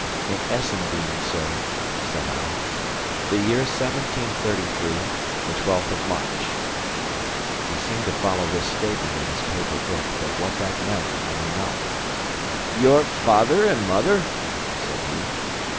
"In Essendean, sir," said I, "the year 1733, the 12th of March." He seemed to follow this statement in his paper book; but what that meant I knew not. "Your father and mother?" said he.